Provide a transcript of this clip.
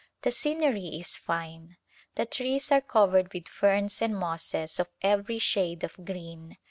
The scenery is fine. The trees are covered with ferns and mosses of everv shade of green.